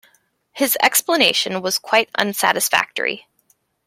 His explanation was quite unsatisfactory.